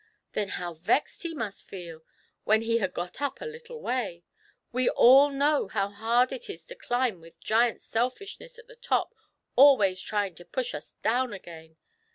" Then how vexed he must feel, when he had got up a little way ! We all know how hard it is to climb, with Giant Selfishness at the top always trying to push us down again.